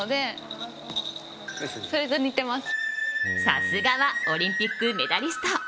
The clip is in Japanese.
さすがはオリンピックメダリスト。